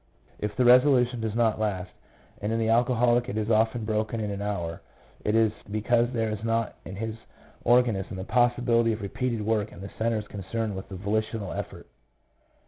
If the resolution does not last — and in the alcoholic it is often broken in an hour — it is because there is not in his organism the possibility of repeated work in the centres concerned with volitional effort.